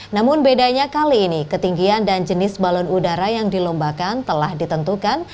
namun bedanya kali ini ketinggian dan jenis balon udara yang dilombakan telah ditentukan